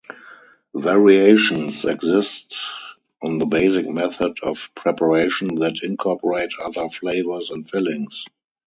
Variations exist on the basic method of preparation that incorporate other flavors and fillings.